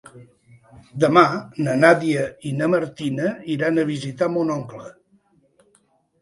Demà na Nàdia i na Martina iran a visitar mon oncle.